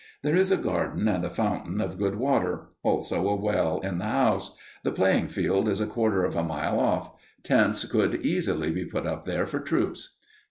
There is a garden and a fountain of good water. Also a well in the house. The playing field is a quarter of a mile off. Tents could easily be put up there for troops.